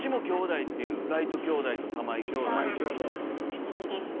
不思議ですね。